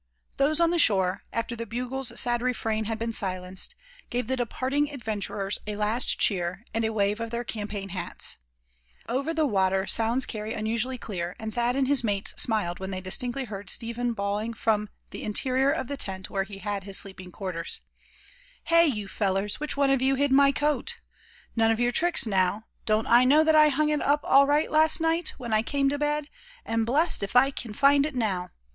Those on the shore, after the bugle's sad refrain had been silenced, gave the departing adventurers a last cheer, and a wave of their campaign hats. Over the water sounds carry unusually clear; and Thad and his mates smiled when they distinctly heard Step hen bawling from the interior of the tent where he had his sleeping quarters: "Hey, you fellers, which one of you hid my coat? None of your tricks now; don't I know that I hung it up all right last night, when I came to bed; and blessed if I can find it now?